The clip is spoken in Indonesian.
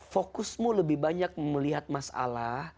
fokusmu lebih banyak melihat masalah